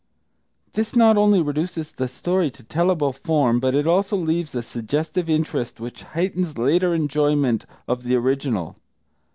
This not only reduces the story to tellable form, but it also leaves a suggestive interest which heightens later enjoyment of the original.